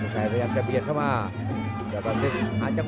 ชายกำลังเลยเเข้ามา